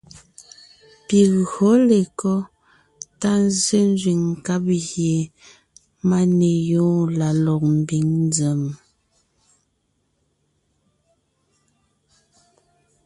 Pi gÿǒ lekɔ́ tá nzsé nzẅìŋ nkáb gie máneyoon la lɔg mbiŋ nzèm?